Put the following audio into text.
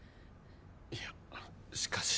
いやしかし。